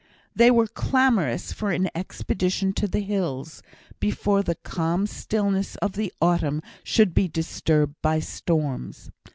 They were clamorous for an expedition to the hills, before the calm stillness of the autumn should be disturbed by storms.